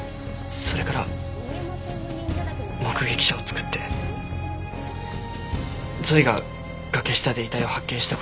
それから目撃者を作ってゾイが崖下で遺体を発見した事にしようと。